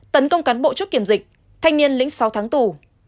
tấn công cán bộ chốt kiểm dịch thanh niên lĩnh sáu tháng tù